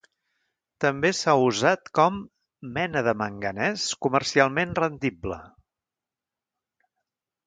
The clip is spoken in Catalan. També s'ha usat com mena de manganès comercialment rendible.